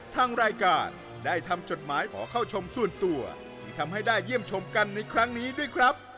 ทางรายการได้ทำจดหมายขอเข้าชมส่วนตัวที่ทำให้ได้เยี่ยมชมกันในครั้งนี้ด้วยครับ